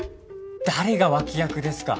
誰が脇役ですか。